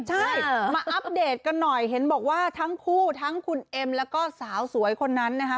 ใช่มาอัปเดตกันหน่อยเห็นบอกว่าทั้งคู่ทั้งคุณเอ็มแล้วก็สาวสวยคนนั้นนะคะ